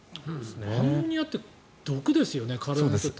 アンモニアって毒ですよね、体にとって。